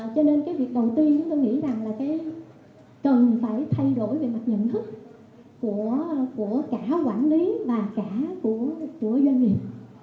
cho nên cái việc đầu tiên chúng tôi nghĩ rằng là cần phải thay đổi về mặt nhận thức của cả quản lý và cả của doanh nghiệp